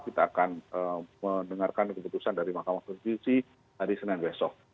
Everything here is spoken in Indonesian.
kita akan mendengarkan keputusan dari mahkamah konstitusi hari senin besok